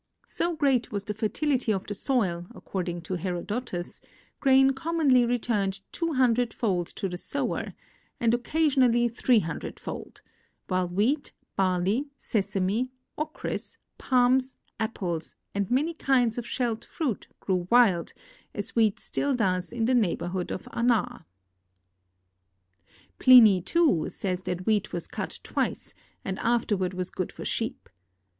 "So great was the fertility of the soil, according to Herodotus, grain commonly returned two hundred fold to the sower, and occa sionally three hundred fold, while wheat, barle}^ sesame, ochrys, THE EFFECTS OF GEOGRAPHIC ENVIRONMEXT 171 palms, apples, and many kinds of shelled fruit grew wild, as wheat still does in the neighborhood of Anah." Pliny, too, says that wheat was cut twice and afterward was jjood for sheep.